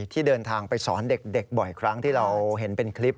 ที่เดินทางไปสอนเด็กบ่อยครั้งที่เราเห็นเป็นคลิป